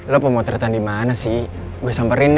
lo pemotretan dimana sih gua samperin deh